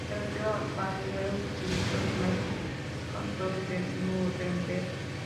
Se retiró en Bayreuth dirigiendo "Los maestros cantores de Núremberg".